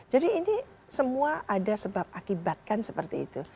jadi ini semua ada sebab akibat kan seperti itu